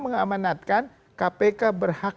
mengamanatkan kpk berhak